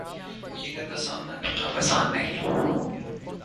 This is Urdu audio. حقیقت کا سامنا کرنا اب آسان نہیں